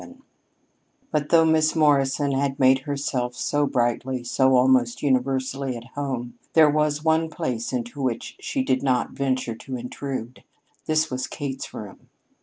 VII But though Miss Morrison had made herself so brightly, so almost universally at home, there was one place into which she did not venture to intrude. This was Kate's room.